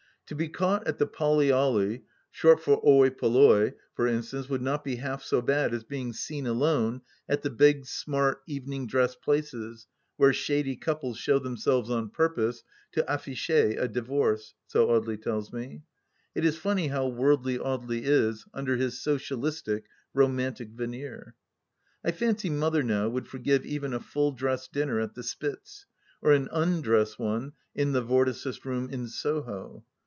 To be caught at the Polly oUy — short for Oi Polloi — ^for instance, would not be half so bad as being seen alone at the smart big evening dress places where shady couples show themselves on purpose to afficher a divorce, so Audely tells me. It is funny how worldly Audely is under his socialistic, romantic veneer 1 I fancy Mother, now, would forgive even a full dress dinner at the " Spitz," or an undress one in the Vorticist room in Soho.